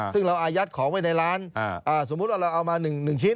ซึ่งเราอายัดของไว้ในร้านสมมุติว่าเราเอามา๑ชิ้น